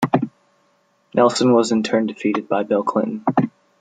Nelson was in turn defeated by Bill Clinton.